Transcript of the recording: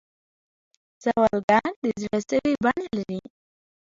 سوالګر د زړه سوې بڼه لري